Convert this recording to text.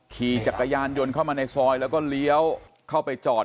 ขี่จักรยานยนต์เข้ามาในซอยแล้วก็เลี้ยวเข้าไปจอด